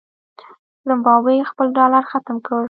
زمبابوې خپل ډالر ختم کړ.